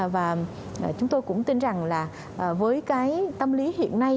và chúng tôi cũng tin rằng là với cái tâm lý hiện nay